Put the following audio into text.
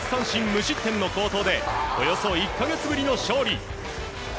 無失点の好投でおよそ１か月ぶりの勝利。